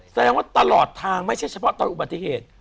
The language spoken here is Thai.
แสดงว่าตลอดทางไม่ใช่เฉพาะตอนอุบัติเหตุ